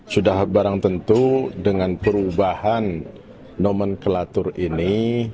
sudah barang tentu dengan perubahan nomenklatur ini